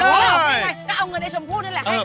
ก็เอาเงินไอ้ชมผู้ท่านแหละให้ครับ